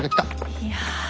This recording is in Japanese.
いや。